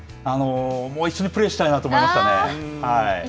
一緒にプレーしたいなと思いましたね。